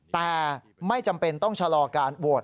แต่ไม่จำเป็นต้องชะลอการโหวต